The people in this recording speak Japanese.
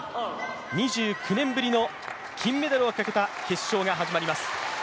２９年ぶりの金メダルをかけた決勝が始まります。